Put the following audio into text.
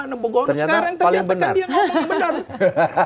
sekarang terjadikan dia ngomongnya benar